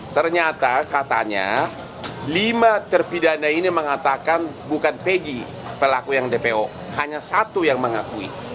ternyata katanya lima terpidana ini mengatakan bukan pegi pelaku yang dpo hanya satu yang mengakui